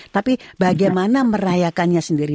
tapi bagaimana merayakannya sendiri